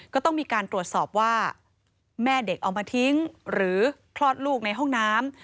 ก็ต้องมีการตรวจสอบว่าแม่เด็กเอามาทิ้งหรือคลอดลูกในห้องน้ำ